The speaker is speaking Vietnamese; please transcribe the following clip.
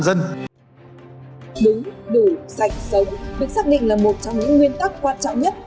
dân đúng đủ sạch sống được xác định là một trong những nguyên tắc quan trọng nhất